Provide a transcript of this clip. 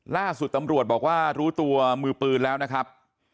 ล่าสุดตำรวจบอกว่ารู้ตัวมือปืนแล้วนะครับ